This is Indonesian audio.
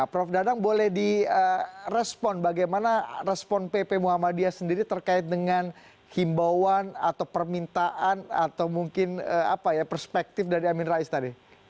prof dadang boleh direspon bagaimana respon pp muhammadiyah sendiri terkait dengan himbauan atau permintaan atau mungkin perspektif dari amin rais tadi